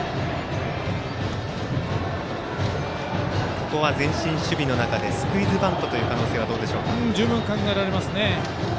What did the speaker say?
ここは前進守備の中でスクイズバントというのは十分考えられますね。